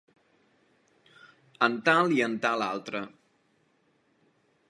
En tal i en tal altre.